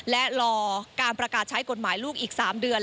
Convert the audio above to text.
และรอการประกาศใช้กฎหมายลูกอีก๓เดือน